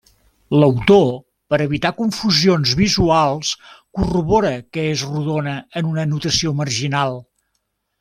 L'autor, per evitar confusions visuals, corrobora que és rodona en una anotació marginal.